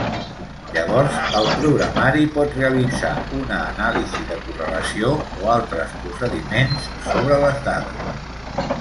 Llavors el programari pot realitzar una anàlisi de correlació o altres procediments sobre les dades.